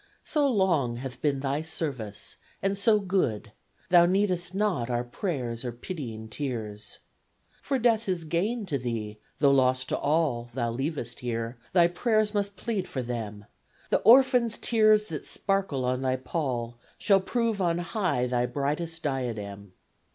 So long hath been thy service, and so good, Thou needest not our prayers or pitying tears! For death is gain to thee, tho' loss to all Thou leavest here. Thy prayers must plead for them. The orphans' tears that sparkle on thy pall Shall prove on high thy brightest diadem.